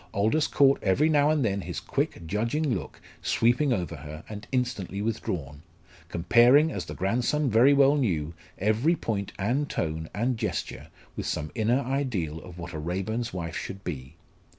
Aldous caught every now and then his quick, judging look sweeping over her and instantly withdrawn comparing, as the grandson very well knew, every point, and tone, and gesture with some inner ideal of what a Raeburn's wife should be.